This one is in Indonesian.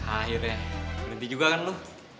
akhirnya berhenti juga kan lo